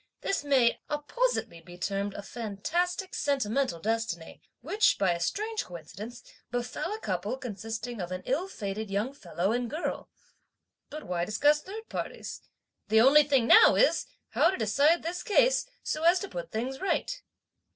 This may appositely be termed a fantastic sentimental destiny, which, by a strange coincidence, befell a couple consisting of an ill fated young fellow and girl! But why discuss third parties? The only thing now is how to decide this case, so as to put things right."